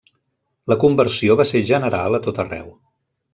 La conversió va ser general a tot arreu.